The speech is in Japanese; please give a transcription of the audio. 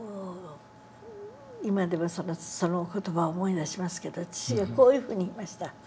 今でもその言葉を思い出しますけど父がこういうふうに言いました。